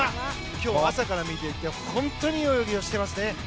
今日は、朝から見ていて本当にいい泳ぎをしてますね。